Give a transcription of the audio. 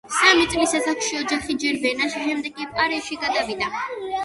სამი წლის ასაკში ოჯახი ჯერ ვენაში, შემდეგ კი პარიზში გადავიდა.